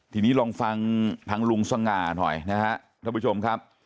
ทีนี้ลองฟังทางลุงสง่าหน่อยนะครับท่านผู้ชมครับ